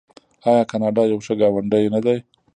آیا کاناډا یو ښه ګاونډی نه دی؟